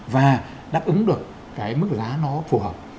và đáp ứng được cái mức giá nó phù hợp